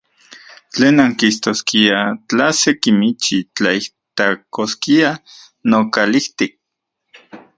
¿Tlen nankijtoskiaj tla se kimichi tlaijtlakoskia nokalijtik?